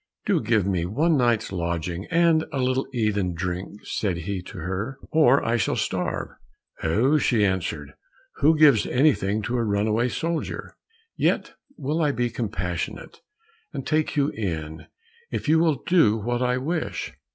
"Do give me one night's lodging, and a little to eat and drink," said he to her, "or I shall starve." "Oho!" she answered, "who gives anything to a run away soldier? Yet will I be compassionate, and take you in, if you will do what I wish."